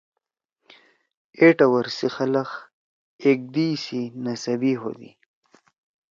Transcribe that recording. اے ٹوَر سی خلگ ایک دیئی سی نسبی ہودی۔